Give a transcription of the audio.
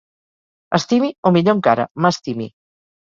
Estimi, o millor encara, m'estimi.